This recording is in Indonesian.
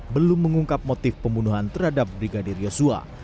belum mengungkap motif pembunuhan terhadap brigadir yosua